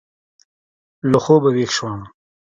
له خوبه وېښ شوم.